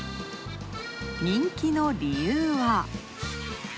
人気の理由は。